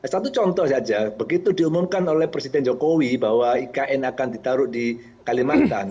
satu contoh saja begitu diumumkan oleh presiden jokowi bahwa ikn akan ditaruh di kalimantan